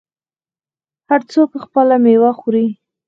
هر څوک خپله میوه خوري.